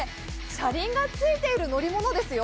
車輪がついている乗り物ですよ。